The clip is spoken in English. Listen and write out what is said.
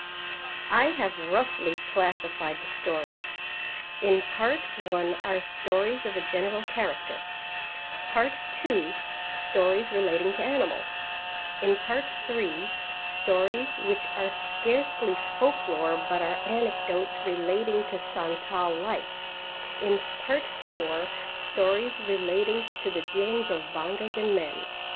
I have roughly classified the stories: in part 1 are stories of a general character; part 2, stories relating to animals; in part 3, stories which are scarcely folklore but are anecdotes relating to Santal life; in Part 4, stories relating to the dealings of bongas and men.